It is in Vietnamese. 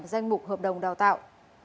danh mục hợp đồng đào tạo